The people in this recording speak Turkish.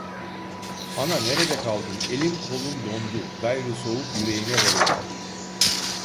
Ana nerede kaldın, elim kolum dondu, gayrı soğuk yüreğime varıyor!